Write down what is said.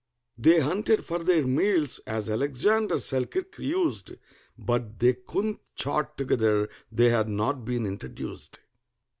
They hunted for their meals, as ALEXANDER SELKIRK used, But they couldn't chat together—they had not been introduced.